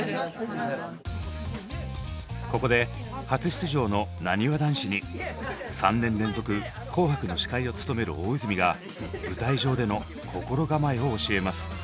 ここで初出場のなにわ男子に３年連続「紅白」の司会を務める大泉が舞台上での心構えを教えます。